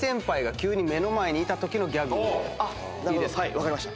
分かりました。